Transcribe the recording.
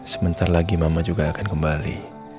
sebentar lagi mama juga akan kembali